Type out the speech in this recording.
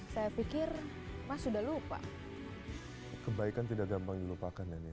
saya pikir mas sudah lupa kebaikan tidak gampang dilupakan ini